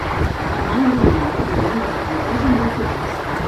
demà he d'anar a Vilobí del Penedès amb autobús.